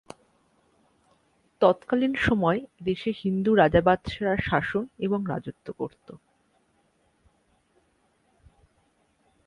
তৎকালীন সময়ে, এদেশে হিন্দু রাজা-বাদশারা শাসন এবং রাজত্ব করতো।